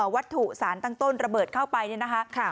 วัตถุสารตั้งต้นระเบิดเข้าไปเนี่ยนะคะ